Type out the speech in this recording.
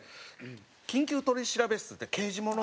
『緊急取調室』って刑事もの。